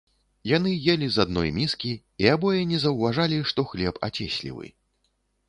Яны елі з адной міскі, і абое не заўважалі, што хлеб ацеслівы.